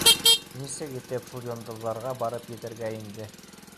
Нисек итеп шул йондоҙҙарға барып етергә инде...